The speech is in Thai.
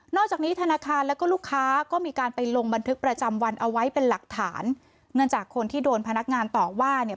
จากนี้ธนาคารแล้วก็ลูกค้าก็มีการไปลงบันทึกประจำวันเอาไว้เป็นหลักฐานเนื่องจากคนที่โดนพนักงานต่อว่าเนี่ย